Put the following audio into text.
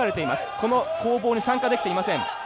この攻防に参加できていません。